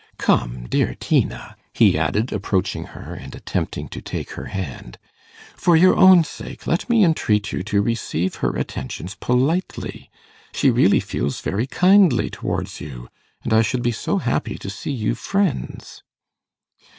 Come, dear Tina,' he added, approaching her, and attempting to take her hand; 'for your own sake let me entreat you to receive her attentions politely. She really feels very kindly towards you, and I should be so happy to see you friends.